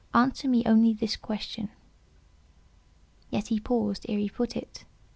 Answer me only this question." Yet he paused ere he put it.